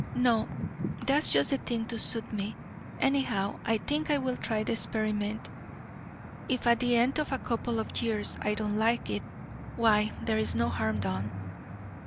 No, that's just the thing to suit me; anyhow, I think I will try the experiment. If at the end of a couple of years I don't like it, why, there is no harm done."